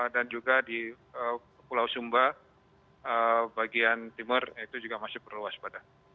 dan juga di pulau sumba bagian timur itu juga masih perlu waspadai